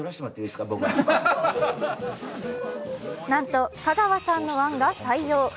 なんと香川さんの案が採用。